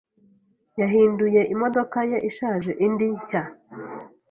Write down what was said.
Yahinduye imodoka ye ishaje indi nshya.